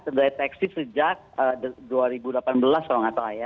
terdeteksi sejak dua ribu delapan belas kalau nggak salah ya